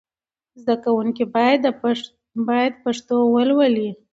زدهکوونکي باید پښتو ولولي.